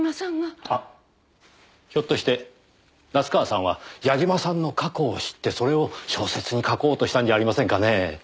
あっひょっとして夏河さんは矢嶋さんの過去を知ってそれを小説に書こうとしたんじゃありませんかねぇ？